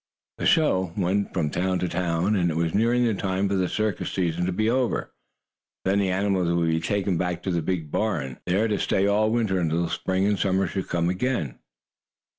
The show went on from town to town, and it was nearing the time for the circus season to be over. Then the animals would be taken back to the big barn, there to stay all winter, until spring and summer should come again.